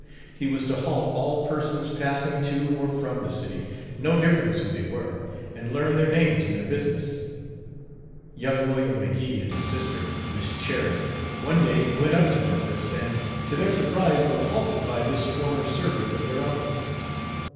He was to halt all persons passing to or from the city, no difference who they were, and learn their names and their business. Young William McGee and his sister, Miss Cherry, one day went up to Memphis and, to their surprise, were halted by this former servant of their uncle.